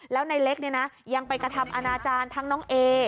แล้วในเล็กยังไปกระทำอนาจารย์ทั้งน้องเอ